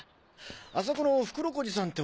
あそこの袋小路さんて